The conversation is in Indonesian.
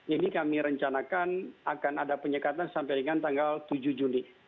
ini kami rencanakan akan ada penyekatan sampai dengan tanggal tujuh juli